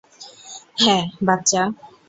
হ্যাঁ, বাচ্চা।